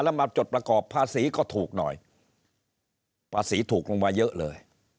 แล้วมาจดประกอบภาษีก็ถูกหน่อยภาษีถูกลงมาเยอะเลย